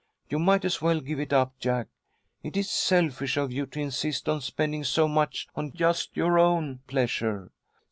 You might as well give it up, Jack. It is selfish of you to insist on spending so much on just your own pleasure."